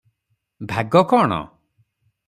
ଭାଗ କଣ?